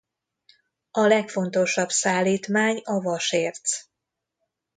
A legfontosabb szállítmány a vasérc.